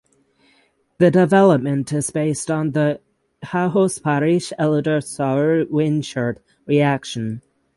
The development is based on the Hajos–Parrish–Eder–Sauer–Wiechert reaction.